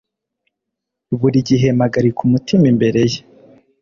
Buri gihe mpagarika umutima imbere ye